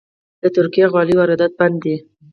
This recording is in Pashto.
د ترکي غالیو واردات بند دي؟